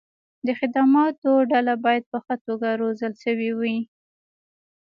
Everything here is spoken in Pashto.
د خدماتو ډله باید په ښه توګه روزل شوې وي.